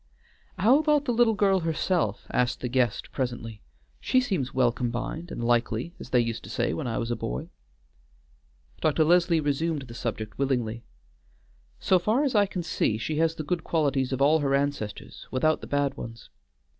"How about the little girl herself?" asked the guest presently; "she seems well combined, and likely, as they used to say when I was a boy." Dr. Leslie resumed the subject willingly: "So far as I can see, she has the good qualities of all her ancestors without the bad ones.